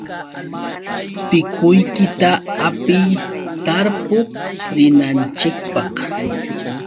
Pikuykita hapiy, tarpuq rinanchikpaq.